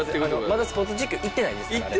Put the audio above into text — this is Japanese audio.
まだスポーツ実況行ってないですから。